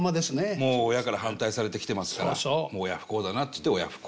もう親から反対されて来てますから親不孝だなっつって「親不孝」。